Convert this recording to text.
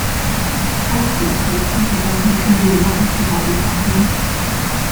他与祖父一起葬于圣若望及保禄堂中。